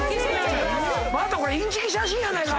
またこれインチキ写真やないか！